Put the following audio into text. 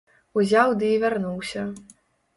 Узяў ды і вярнуўся.